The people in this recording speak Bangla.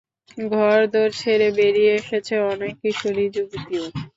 ঘরদোর ছেড়ে বেরিয়ে এসেছে অনেক কিশোরী যুবতীও।